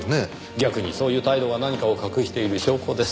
逆にそういう態度が何かを隠している証拠です。